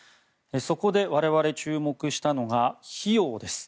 そこで我々、注目したのが費用です。